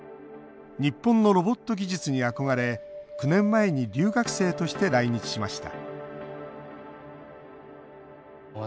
日本のロボット技術に憧れ９年前に留学生として来日しました